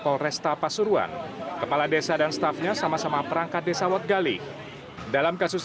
oleh restapa suruhan kepala desa dan stafnya sama sama perangkat desa wad gali dalam kasus